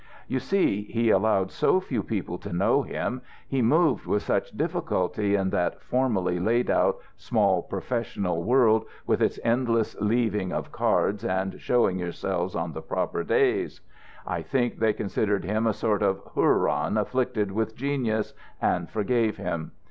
"You see, he allowed so few people to know him, he moved with such difficulty in that formally laid out small, professional world, with its endless leaving of cards and showing yourself on the proper days. I think they considered him a sort of Huron afflicted with genius, and forgave him.